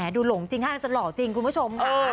หลงจริงห้างจะหล่อจริงคุณผู้ชมค่ะ